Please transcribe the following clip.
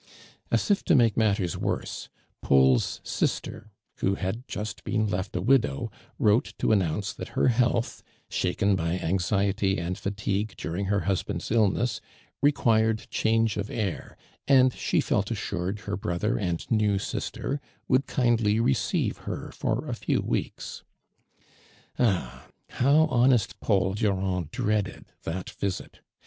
As if to make matters worse, Paul's sister, who Imd just been left a widow, wrote to announce tliat her health shaken by anxiety and fatigue during her husband's illness, re(iuired change of air, and slie felt assured her brother and new sister would kindly receive her for a few weeks. Ah! how honest Paul Durand dreaded tliat visit.